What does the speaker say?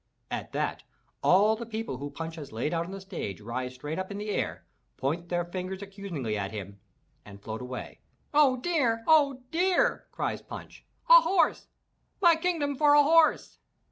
*' At that, all the people whom Punch has laid out on the stage rise straight up in the air, point their fingers accusingly at him, and float away. *'0h dear! Oh dear!" cries Punch, "a horse! My Kingdom for a horse!"